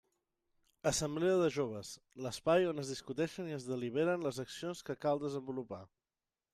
Assemblea de joves: l'espai on es discuteixen i es deliberen les accions que cal desenvolupar.